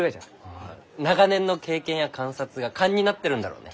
ああ長年の経験や観察が勘になってるんだろうね。